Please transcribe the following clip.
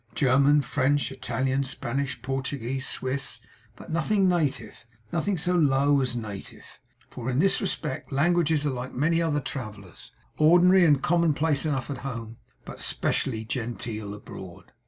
German, French, Italian, Spanish, Portuguese, Swiss; but nothing native; nothing so low as native. For, in this respect, languages are like many other travellers ordinary and commonplace enough at home, but 'specially genteel abroad.